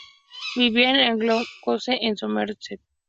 Vivía en Eagle House en Somerset.